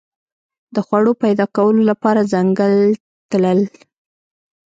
د خوړو پیدا کولو لپاره ځنګل تلل.